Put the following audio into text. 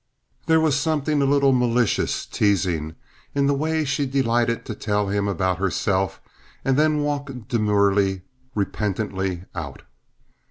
There was something a little malicious, teasing, in the way she delighted to tell him about herself, and then walk demurely, repentantly out.